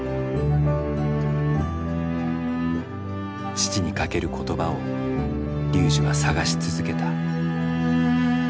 父にかける言葉をＲＹＵＪＩは探し続けた。